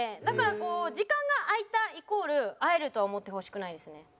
だからこう時間が空いたイコール会えるとは思ってほしくないですね。